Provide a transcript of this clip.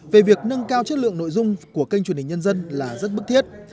về việc nâng cao chất lượng nội dung của kênh truyền hình nhân dân là rất bức thiết